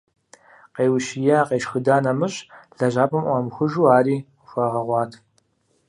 Къеущия, къешхыда нэмыщӏ, лэжьапӏэм ӏуамыхужу, ари къыхуагъэгъуат.